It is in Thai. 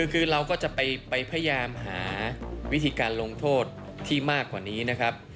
คือเราก็จะไปพยายามหาวิธีการลงโทษที่มากกว่านี้นะครับ